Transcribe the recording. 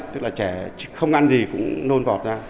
tức là trẻ không ăn gì cũng nôn vọt ra